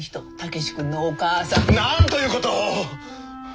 なんということを！